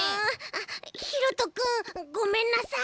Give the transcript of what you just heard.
ひろとくんごめんなさい。